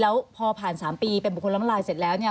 แล้วพอผ่าน๓ปีเป็นบุคคลล้มลายเสร็จแล้วเนี่ย